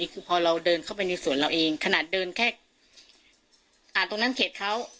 คือพอเราเดินเข้าไปในสวนเราเองขนาดเดินแค่ตรงนั้นเขตเขา